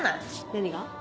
何が？